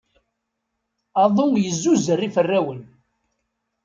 Aḍu yezzuzer iferrawen.